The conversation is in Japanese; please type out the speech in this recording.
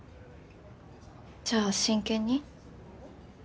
じゃあ真剣に？